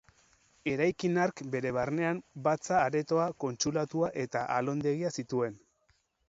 Eraikin hark bere barnean batza-aretoa, kontsulatua eta alondegia zituen.